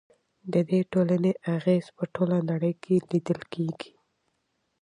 د دې ټولنې اغیز په ټوله نړۍ کې لیدل کیږي.